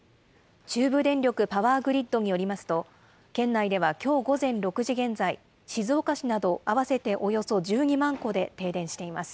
中部電力パワーグリッドによりますと、県内ではきょう午前６時現在、静岡市など合わせておよそ１２万戸で停電しています。